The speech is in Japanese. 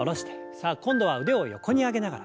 さあ今度は腕を横に上げながら。